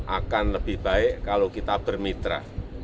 akan lebih baik kalau kita bermitra